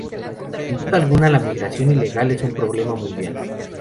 Sin duda alguna la migración ilegal es un problema mundial.